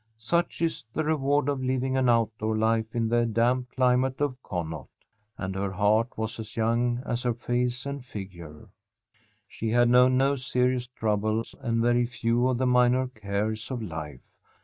Such is the reward of living an outdoor life in the damp climate of Connaught. And her heart was as young as her face and figure. She had known no serious troubles and very few of the minor cares of life.